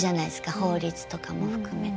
法律とかも含めてね。